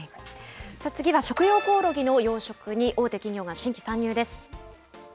次は食用コオロギの養殖に、大手企業が新規参入です。